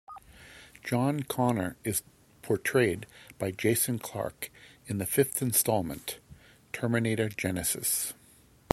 John Connor is portrayed by Jason Clarke in the fifth installment, Terminator Genisys.